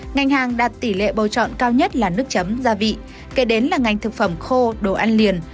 ngành hàng đạt tỷ lệ bầu chọn cao nhất là nước chấm gia vị kể đến là ngành thực phẩm khô đồ ăn liền